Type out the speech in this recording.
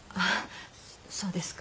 そうですか。